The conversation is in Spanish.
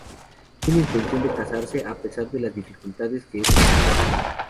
Tiene intención de casarse, a pesar de las dificultades que eso conllevaría.